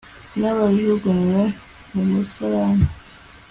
n'abajugunywe mu misarane